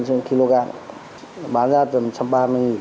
thì bán ra tầm một trăm ba mươi nghìn